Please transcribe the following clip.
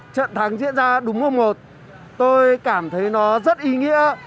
trận thắng diễn ra đúng hôm một tôi cảm thấy nó rất ý nghĩa